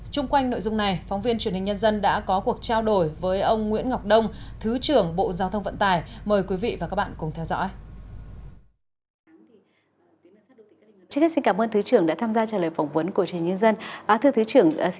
trung quanh nội dung này phóng viên truyền hình nhân dân đã có cuộc trao đổi với ông nguyễn ngọc đông thứ trưởng bộ giao thông vận tải